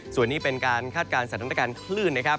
ส่วนนี้เป็นการรู้สมัยสถานการณ์ขลื่น